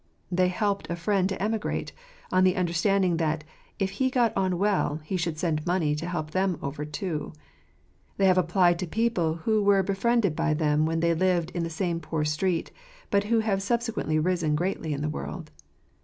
They helped a friend to emigrate, on the understanding that, if he got on well, he should send money to help them over too. They have applied to people who were befriended by them when they lived in the same poor street, but who have subse quently risen greatly in the world.